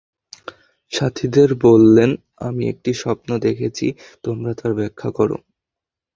সাথীদের বললেন, আমি একটি স্বপ্ন দেখেছি তোমরা তার ব্যাখ্যা কর।